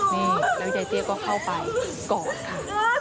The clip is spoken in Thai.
นี่แล้วยายเตี้ยก็เข้าไปกอดค่ะ